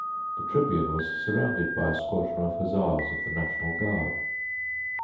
The tribune was surrounded by a squadron of hussars of the National Guard.